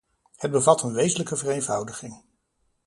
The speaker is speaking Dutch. Het bevat een wezenlijke vereenvoudiging.